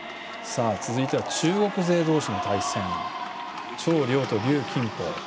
続いては中国勢同士の対戦、張亮と龍金宝。